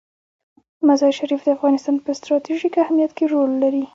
مزارشریف د افغانستان په ستراتیژیک اهمیت کې رول لري.